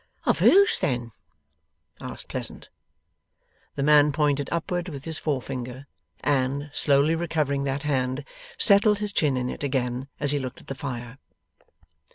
'Of whose, then?' asked Pleasant. The man pointed upward with his forefinger, and, slowly recovering that hand, settled his chin in it again as he looked at the fire.